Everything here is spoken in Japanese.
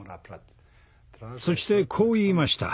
そしてこう言いました。